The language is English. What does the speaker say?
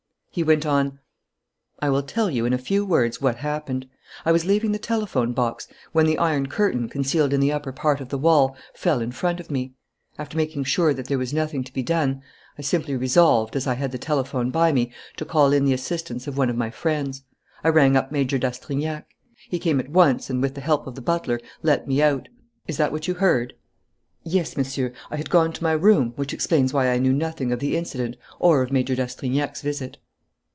He went on: "I will tell you, in a few words, what happened. I was leaving the telephone box, when the iron curtain, concealed in the upper part of the wall, fell in front of me. After making sure that there was nothing to be done, I simply resolved, as I had the telephone by me, to call in the assistance of one of my friends. I rang up Major d'Astrignac. He came at once and, with the help of the butler, let me out. Is that what you heard?" "Yes, Monsieur. I had gone to my room, which explains why I knew nothing of the incident or of Major d'Astrignac's visit."